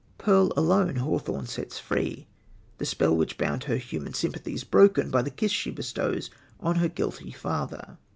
Pearl alone Hawthorne sets free, the spell which bound her human sympathies broken by the kiss she bestows on her guilty father.